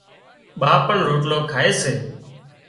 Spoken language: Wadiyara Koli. ٻاپ پڻ روٽلو کائي سي